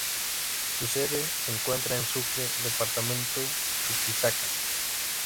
Su sede se encuentra en Sucre, departamento Chuquisaca.